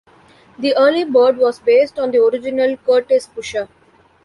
The Early Bird was based on the original Curtiss Pusher.